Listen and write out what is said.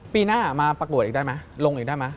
ปีหน้ามาประกวดอีกได้ไหมลงอีกได้ไหม